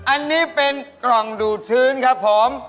อันนี้เป็นกล่องดูดชื้นครับผม